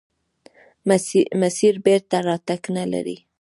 مسیر بېرته راتګ نلري.